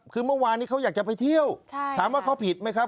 คือเมื่อวานนี้เขาอยากจะไปเที่ยวถามว่าเขาผิดไหมครับ